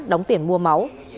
đóng tiền mua máu